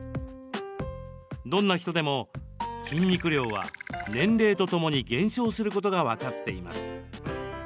どんな人でも筋肉量は年齢とともに減少することが分かっています。